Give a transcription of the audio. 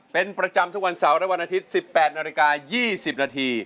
เป็นประจำทุกวันเสาร์และวันอาทิตย์๑๘นาฬิกา๒๐นาที